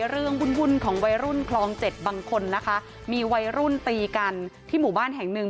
วุ่นของวัยรุ่นคลองเจ็ดบางคนนะคะมีวัยรุ่นตีกันที่หมู่บ้านแห่งหนึ่ง